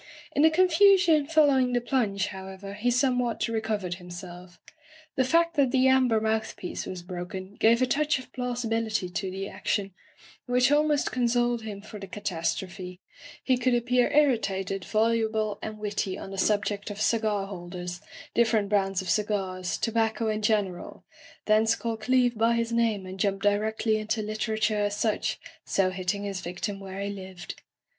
In the confusion following the plunge, how ever, he somewhat recovered himself. The fact that the amber mouth piece was bro ken gave a touch of plausibility to the ac tion which almost consoled him for the ca Digitized by LjOOQ IC By the Sawyer Method tastrophe. He could appear irritated, volu ble, and witty on the subject of cigar holders, different brands of cigars, tobacco in general — thence call Cleeve by his name and jump direcdy into literature as such, so hitting his victim where he lived.